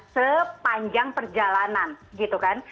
sepanjang perjalanan gitu kan